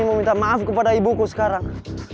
aku mau minta maaf kepada ibuku sekarang